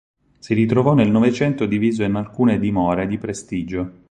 Si ritrovò nel Novecento diviso in alcune dimore di prestigio.